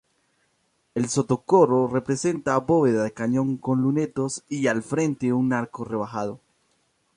El sotocoro presenta bóveda de cañón con lunetos y al frente un arco rebajado.